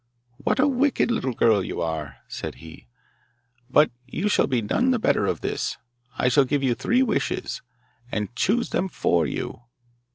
'What a wicked little girl you are!' said he; 'but you shall be none the better of this. I shall give you three wishes, and choose them for you.